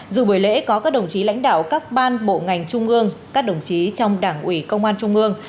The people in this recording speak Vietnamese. dù buổi lễ có các đồng chí lãnh đạo các ban bộ ngành trung ương các đồng chí trong đảng ủy công an trung ương